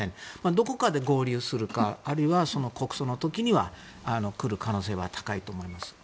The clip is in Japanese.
どこかで合流するか国葬の時には来る可能性は高いと思います。